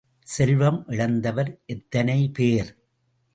செல்வம் இழந்தவர் எத்தனைபேர்!